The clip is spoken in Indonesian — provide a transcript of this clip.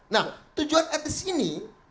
nah tujuan etis ini